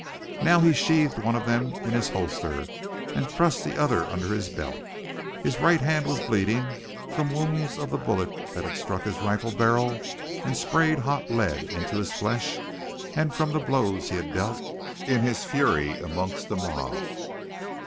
Now he sheathed one of them in his holster, and thrust the other under his belt. His right hand was bleeding, from wounds of the bullet that had struck his rifle barrel and sprayed hot lead into his flesh, and from the blows he had dealt in his fury amongst the mob.